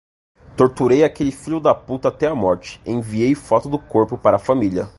Torturei aquele filho da puta até a morte, enviei foto do corpo pra família